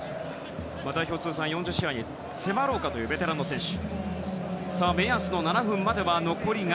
代表通算４０試合に迫ろうかというベテラン選手。